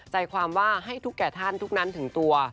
ใจความว่าให้ทุกแก่ท่านทุกนั้นถึงตัว